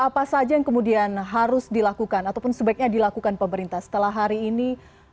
apa saja yang kemudian harus dilakukan ataupun sebaiknya dilakukan pemerintah setelah hari ini